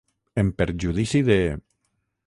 En perjudici de.